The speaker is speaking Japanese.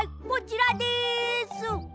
こちらです！